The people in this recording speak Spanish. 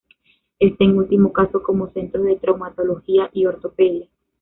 Este en último caso como Centros de Traumatología y Ortopedia.